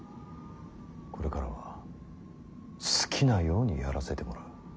これからは好きなようにやらせてもらう。